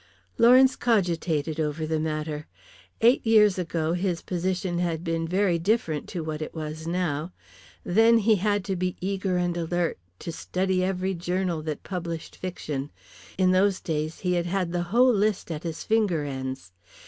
Lawrence cogitated over the matter. Eight years ago his position had been very different to what it was now. Then he had to be eager and alert, to study every journal that published fiction. In those days he had had the whole list at his finger ends.